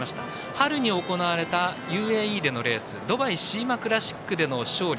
春に行われたＵＡＥでのレースドバイシーマクラシックでの勝利